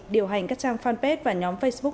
điều hành các trang fanpage và nhóm facebook